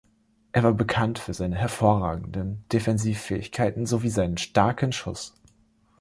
Er war bekannt für seine hervorragenden Defensivfähigkeiten sowie seinen starken Schuss.